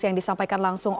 yang disampaikan langsung